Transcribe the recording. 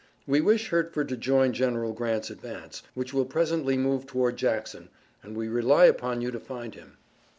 We wish Hertford to join General Grant's advance, which will presently move toward Jackson, and we rely upon you to find him."